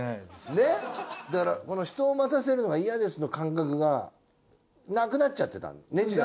ねっだからこの人を待たせるのが嫌ですの感覚がなくなっちゃってたネジが。